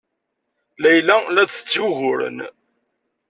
Layla la d-tetteg uguren.